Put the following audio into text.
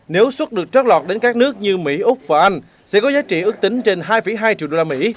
nếu xuất được trót lọt đến các nước như mỹ úc và anh sẽ có giá trị ước tính trên hai hai triệu usd